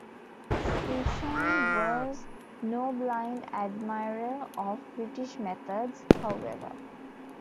Sisson was no blind admirer of British methods, however.